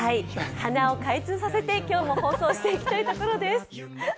鼻を開通させて今日も放送させていきたいところです。